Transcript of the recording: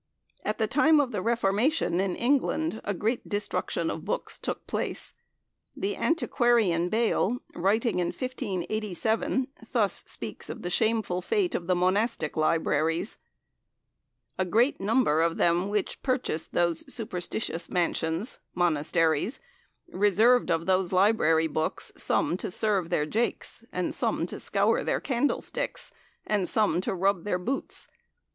At the time of the Reformation in England a great destruction of books took place. The antiquarian Bale, writing in 1587, thus speaks of the shameful fate of the Monastic libraries: "A greate nombre of them whyche purchased those superstycyouse mansyons (Monasteries) reserved of those librarye bookes some to serve their jakes, some to scoure theyr candelstyckes, and some to rubbe theyr bootes.